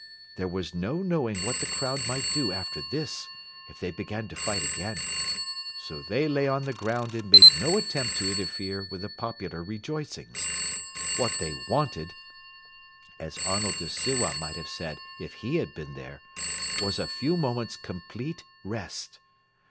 There was no knowing what the crowd might do after this, if they began to fight again. So they lay on the ground and made no attempt to interfere with the popular rejoicings. What they wanted, as Arnold of Sewa might have said if he had been there, was a few moments' complete rest.